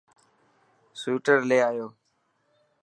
سوئٽر لي آيو.